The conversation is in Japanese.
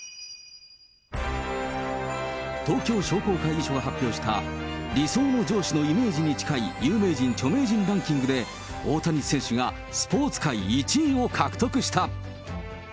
東京商工会議所が発表した、理想の上司のイメージに近い有名人、著名人ランキングで、大谷選手がスポーツ界１位を獲得した。